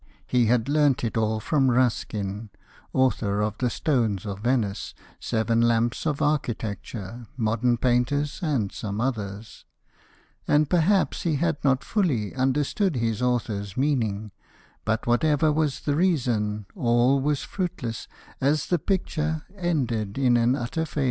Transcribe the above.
He had learnt it all from Ruskin (Author of 'The Stones of Venice,' 'Seven Lamps of Architecture,' 'Modern Painters,' and some others); And perhaps he had not fully Understood his author's meaning; But, whatever was the reason, All was fruitless, as the picture Ended in an utter failure.